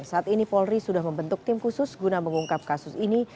saat ini polri sudah membentuk tim khusus guna mengungkap kasus ini